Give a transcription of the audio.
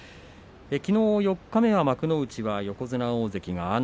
きのう四日目は幕内は横綱大関が安泰。